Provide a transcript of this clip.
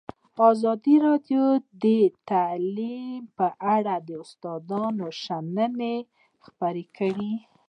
ازادي راډیو د تعلیم په اړه د استادانو شننې خپرې کړي.